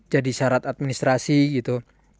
jadi syarat administrasi gitu